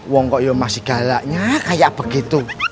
wongkok yo masih galaknya kayak begitu